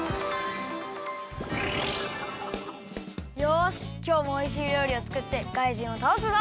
よしきょうもおいしいりょうりをつくってかいじんをたおすぞ！